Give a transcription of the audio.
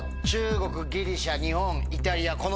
中国ギリシャ日本イタリア。